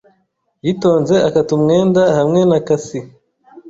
yitonze akata umwenda hamwe na kasi.